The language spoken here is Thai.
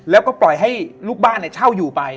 แล้วก็ปล่อยให้ลูกบ้านเช่าอยู่ไป